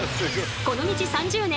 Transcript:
この道３０年